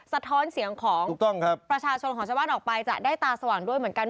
สะท้อนเสียงของถูกต้องครับประชาชนของชาวบ้านออกไปจะได้ตาสว่างด้วยเหมือนกัน